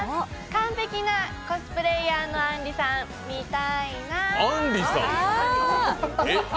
完璧なコスプレーヤーのあんりさん、見たいなー。